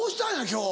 今日。